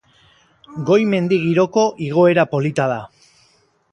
Goi mendi giroko igoera polita da.